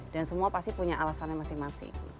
dan semua pasti punya alasannya masing masing